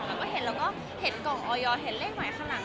แล้วก็เห็นแล้วก็เห็นกล่องออยเห็นเลขหลายข้างหลัง